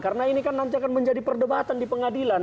karena ini kan nanti akan menjadi perdebatan di pengadilan